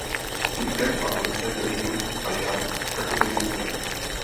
Církev a ulice byly jin a jang každodenního života.